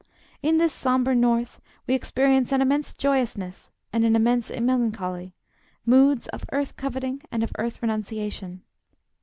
In this sombre North we experience an immense joyousness and an immense melancholy, moods of earth coveting and of earth renunciation.